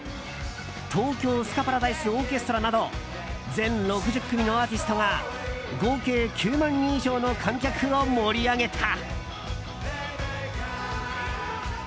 東京スカパラダイスオーケストラなど全６０組のアーティストが合計９万人以上の観客を盛り上げた。